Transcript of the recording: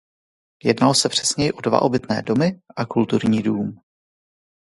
Jednalo se přesněji o dva obytné domy a kulturní dům.